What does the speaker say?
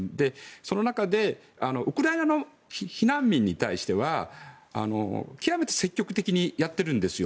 その中でウクライナ避難民に対しては極めて積極的にやってるんですよ。